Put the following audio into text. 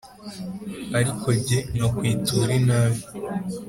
ariko jye nkakwitura inabi.